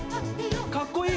かっこいい！